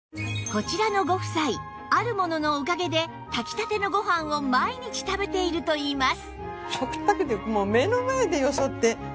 こちらのご夫妻あるもののおかげで炊きたてのご飯を毎日食べているといいます